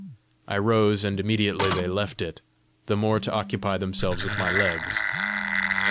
I rose, and immediately they left it, the more to occupy themselves with my legs.